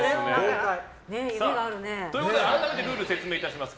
ということで改めてルールを説明します。